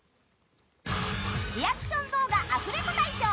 リアクション動画アフレコ大賞！